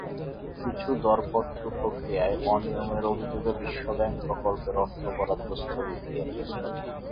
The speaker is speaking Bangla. কিন্তু দরপত্র প্রক্রিয়ায় অনিয়মের অভিযোগে বিশ্বব্যাংক প্রকল্পের অর্থ বরাদ্দ স্থগিত করে।